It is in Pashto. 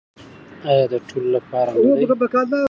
آیا د ټولو لپاره نه دی؟